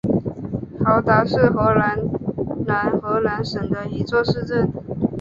豪达是荷兰南荷兰省的一座市镇。